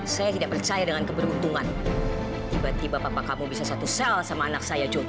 saya tidak percaya dengan keberuntungan tiba tiba bapak kamu bisa satu sel sama anak saya juga